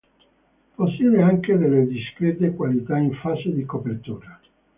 Possiede anche delle discrete qualità in fase di copertura.